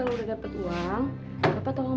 buapa sembilan tiga puluh tiga tragedi paham